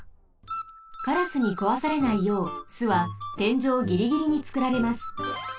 カラスにこわされないよう巣はてんじょうぎりぎりにつくられます。